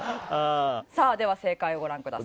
さあでは正解をご覧ください。